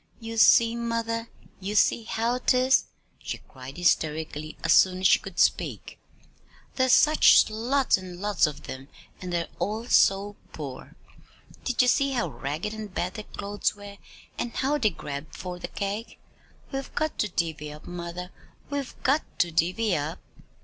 "You see, mother, you see how 'tis," she cried hysterically, as soon as she could speak. "There's such lots and lots of them, and they're all so poor. Did you see how ragged and bad their clothes were, and how they grabbed for the cake? We've got to divvy up, mother, we've got to divvy up!"